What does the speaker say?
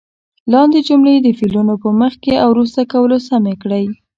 لاندې جملې د فعلونو په مخکې او وروسته کولو سمې کړئ.